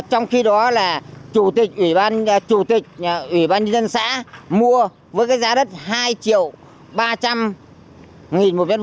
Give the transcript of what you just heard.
trong khi đó chủ tịch ủy ban nhân dân xã mua với giá đất hai triệu ba trăm linh nghìn một m hai